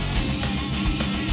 terima kasih chandra